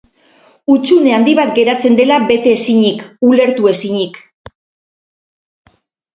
Hutsune handi bat geratzen dela bete ezinik, ulertu ezinik.